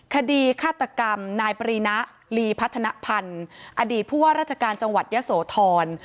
คดีฆาตกรรมนายปรีนะลีพัฒนภัณฑ์อดีตผู้ว่าราชการจังหวัดยะโสธร